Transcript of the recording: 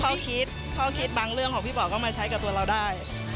ข้อคิดข้อคิดบางเรื่องของพี่ป๋อก็มาใช้กับตัวเราได้